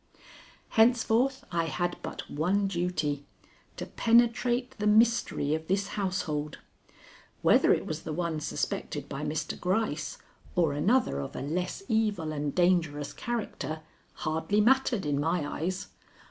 Henceforth I had but one duty to penetrate the mystery of this household. Whether it was the one suspected by Mr. Gryce or another of a less evil and dangerous character hardly mattered in my eyes.